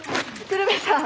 鶴瓶さん。